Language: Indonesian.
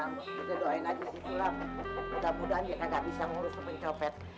mudah mudahan dia gak bisa ngurus ke pencopet